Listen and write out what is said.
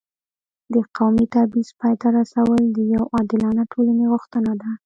د قومي تبعیض پای ته رسول د یو عادلانه ټولنې غوښتنه ده.